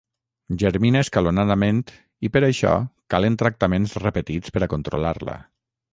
Germina escalonadament i per això calen tractaments repetits per a controlar-la.